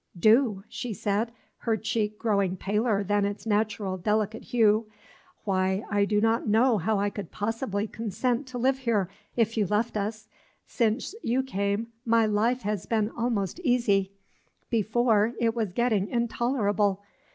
"Do?" she said, her cheek growing paler than its natural delicate hue, "why, I do not know how I could possibly consent to live here, if you left us. Since you came, my life has been almost easy; before, it was getting intolerable.